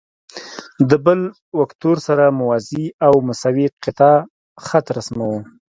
د بل وکتور سره موازي او مساوي قطعه خط رسموو.